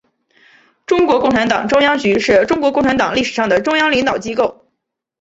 中国共产党中央局是中国共产党历史上的中央领导机构。